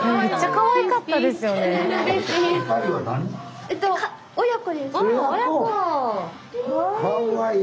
かわいい！